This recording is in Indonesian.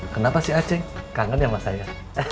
kenapa sih acing kangen ya sama saya